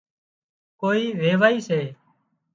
ڪوئي ويوائي سي